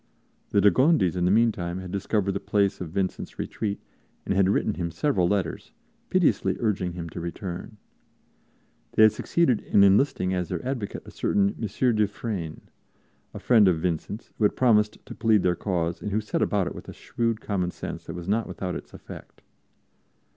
The de Gondis, in the meantime, had discovered the place of Vincent's retreat and had written him several letters, piteously urging him to return. They had succeeded in enlisting as their advocate a certain M. du Fresne, a friend of Vincent's, who had promised to plead their cause and who set about it with a shrewd common sense that was not without its effect.